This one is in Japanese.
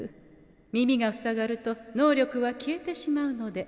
耳がふさがると能力は消えてしまうのであしからず。